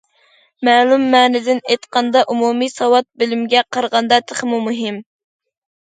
مەلۇم مەنىدىن ئېيتقاندا، ئومۇمىي ساۋات بىلىمگە قارىغاندا تېخىمۇ مۇھىم.